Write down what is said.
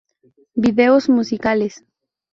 Videos musicales